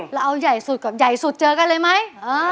เราเอาใหญ่สุดกับใหญ่สุดเจอกันเลยไหม